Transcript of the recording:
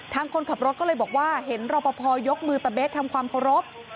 คนขับรถก็เลยบอกว่าเห็นรอปภยกมือตะเบ๊กทำความเคารพ